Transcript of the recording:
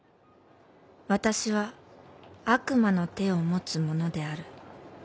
「私は悪魔の手を持つ者である」